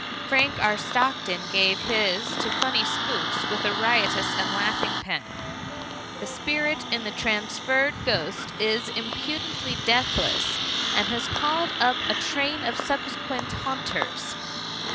Frank R. Stockton gave his to funny spooks with a riotous and laughing pen. The spirit in his Transferred Ghost is impudently deathless, and has called up a train of subsequent haunters.